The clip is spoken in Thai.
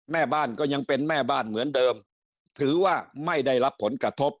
แม่บ้านก็ยังเป็นแม่บ้านเหมือนเดิมถือว่าไม่ได้รับผลกระทบ